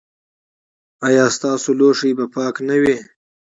ایا ستاسو لوښي به پاک نه وي؟